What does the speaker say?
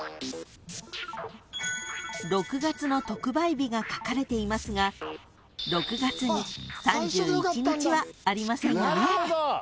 ［６月の特売日が書かれていますが６月に３１日はありませんよね］